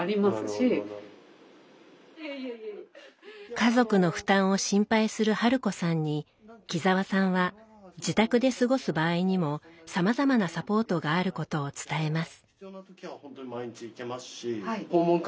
家族の負担を心配する春子さんに木澤さんは自宅で過ごす場合にもさまざまなサポートがあることを伝えます。